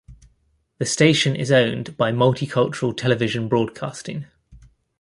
The station is owned by Multicultural Television Broadcasting.